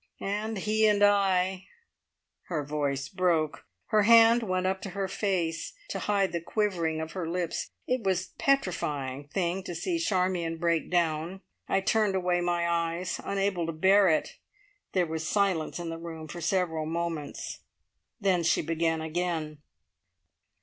And he and I " Her voice broke. Her hand went up to her face to hide the quivering of her lips. It was a petrifying thing to see Charmion break down. I turned away my eyes, unable to bear it. There was silence in the room for several moments, then she began again.